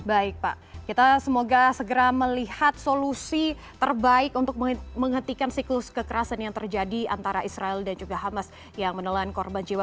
baik pak kita semoga segera melihat solusi terbaik untuk menghentikan siklus kekerasan yang terjadi antara israel dan juga hamas yang menelan korban jiwa